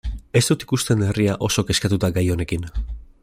Ez dut ikusten herria oso kezkatuta gai honekin.